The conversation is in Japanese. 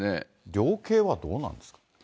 量刑はどうなんですか。